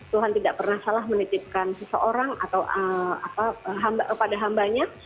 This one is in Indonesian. tuhan tidak pernah salah menitipkan seseorang atau kepada hambanya